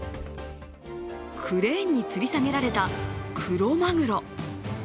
クレーンにつり下げられたクロマグロ。